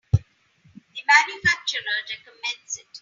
The manufacturer recommends it.